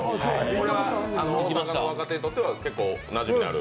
これは若手にとっては結構なじみのある？